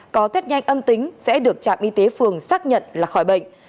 có tết nhanh âm tính sẽ được trạm y tế phường xác nhận là khỏi bệnh